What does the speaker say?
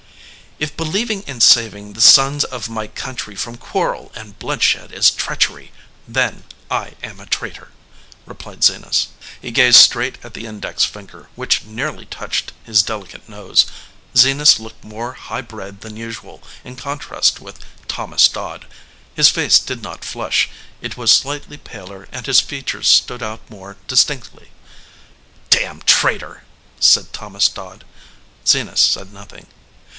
"If believing in saving the sons of my country from quarrel and bloodshed is treachery, then I am a traitor," replied Zenas. He gazed straight at the index finger, which nearly touched his delicate nose. Zenas looked more high bred than usual in contrast with Thomas Dodd. His face did not flush. It was slightly paler and his features stood out more dis tinctly. "Damn traitor!" said Thomas Dodd. Zenas said nothing.